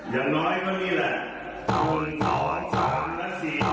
อย่างน้อยก็นี่แหละ